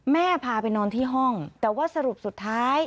พาไปนอนที่ห้องแต่ว่าสรุปสุดท้าย